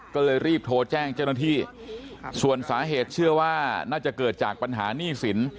ก็เลยรีบโทรแจ้งเจ้าหน้าที่ส่วนสาเหตุเชื่อว่าน่าจะเกิดจากปัญหาหนี้สิน